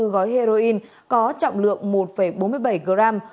hai mươi bốn gói heroin có trọng lượng một bốn mươi bảy g